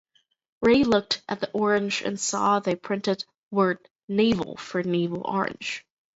Ray looked at the orange and saw the printed word "Navel" for navel orange.